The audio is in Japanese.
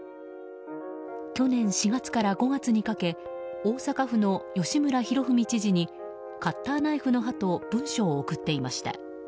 去年４月から５月にかけ大阪府の吉村洋文知事にカッターナイフの刃と文書を送っていました。